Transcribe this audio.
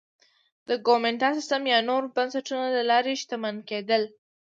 د کومېنډا سیستم یا نورو بنسټونو له لارې شتمن کېدل